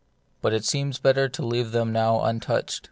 But it seems better to leave them now untouched.